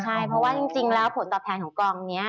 ใช่เพราะว่าจริงแล้วผลตอบแทนของกองนี้